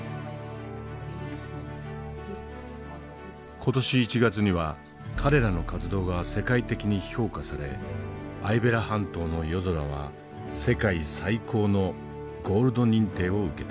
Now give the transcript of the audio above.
今年１月には彼らの活動が世界的に評価されアイベラ半島の夜空は世界最高のゴールド認定を受けた。